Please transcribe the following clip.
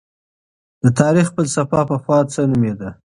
د تاريخ فلسفه پخوا څه نومېده؟